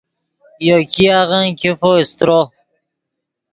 یو ګیاغن ګیفو سترو